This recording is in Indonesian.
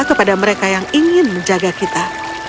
kepada mereka yang ingin menjaga kita